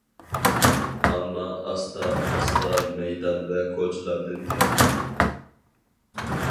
ئامما ئاستا- ئاستا مەيدان ۋە كوچىلاردىن كەتتى.